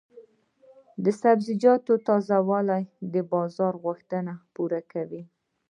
د سبزیجاتو تازه والي د بازار غوښتنې پوره کوي.